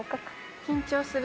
緊張する！